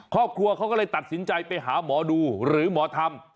ครอบครัวเขาก็เลยตัดสินใจไปหาหมอดูหรือหมอธรรม